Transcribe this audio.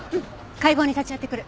解剖に立ち会ってくる。